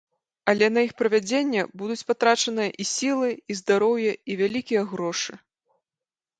Але на іх правядзенне будуць патрачаныя і сілы, і здароўе, і вялікія грошы.